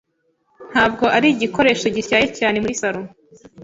Ntabwo ari igikoresho gityaye cyane muri salo.